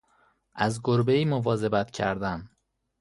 از گربهای مواظبت کردن